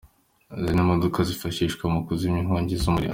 Izi ni imodoka zifashishwa mu kuzimya inkongi z’umuriro.